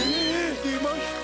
出ました。